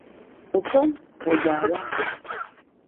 Уцом, уагьаауам.